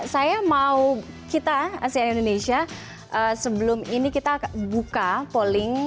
saya mau kita asi indonesia sebelum ini kita buka polling